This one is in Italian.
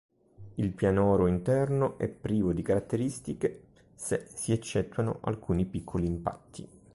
Il pianoro interno è privo di caratteristiche, se si eccettuano alcuni piccoli impatti.